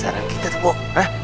saya saran kita tuh bok